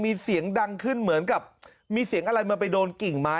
มีเสียงดังขึ้นเหมือนกับมีเสียงอะไรมันไปโดนกิ่งไม้